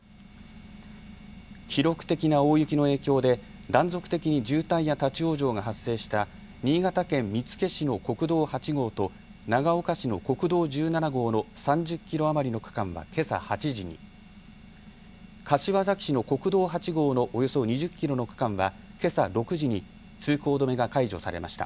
記録的な大雪の影響で断続的に渋滞や立往生が発生した新潟県見附市の国道８号と長岡市の国道１７号の３０キロ余りの区間はけさ８時に、柏崎市の国道８号のおよそ２０キロの区間はけさ６時に通行止めが解除されました。